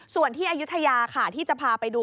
ส่วนที่อายุทยาค่ะที่จะพาไปดู